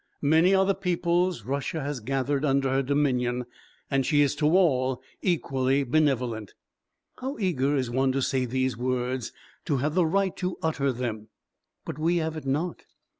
Many are the peoples Russia has gathered under her dominion and she is to all equally benevolent. How eager is one to say these words, to have the right to utter them! But we have it not.